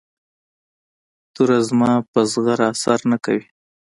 توره زما په زغره اثر نه کوي.